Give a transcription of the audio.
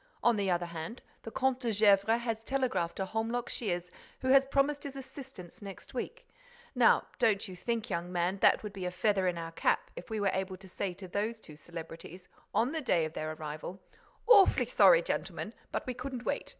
On the other hand, the Comte de Gesvres has telegraphed to Holmlock Shears, who has promised his assistance next week. Now don't you think, young man, that it would be a feather in our cap if we were able to say to those two celebrities, on the day of their arrival, 'Awfully sorry, gentlemen, but we couldn't wait.